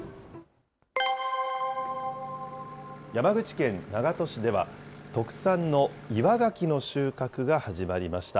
山口県長門市では、特産の岩ガキの収穫が始まりました。